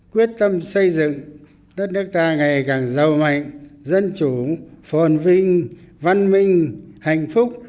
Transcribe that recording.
quyết tâm xây dựng đất nước ta ngày càng giàu mạnh dân chủ phồn vinh văn minh hạnh phúc